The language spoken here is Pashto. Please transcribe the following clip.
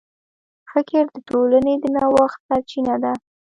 فکر د ټولنې د نوښت سرچینه ده.